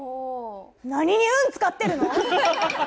何に運使ってるの？